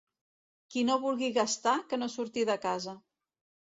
Qui no vulgui gastar, que no surti de casa.